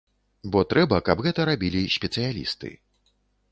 Бо трэба, каб гэта рабілі спецыялісты.